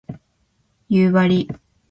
夕張